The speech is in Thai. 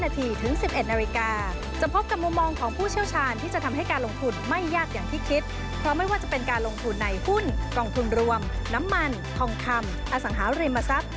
ถ้าจะเป็นการลงทุนในหุ้นกองทุนรวมน้ำมันทองคำอสังหาริมทรัพย์